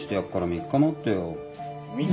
３日！？